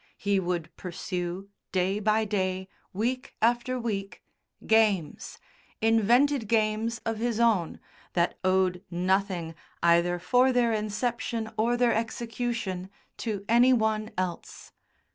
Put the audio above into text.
He would pursue, day by day, week after week, games, invented games of his own, that owed nothing, either for their inception or their execution, to any one else.